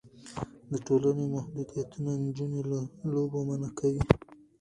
د ټولنې محدودیتونه نجونې له لوبو منع کوي.